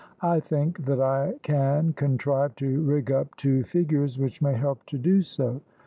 "I think that I can contrive to rig up two figures which may help to do so.